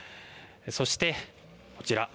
そして、こちら。